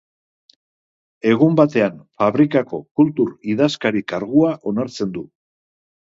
Egun batean fabrikako kultur idazkari kargua onartzen du.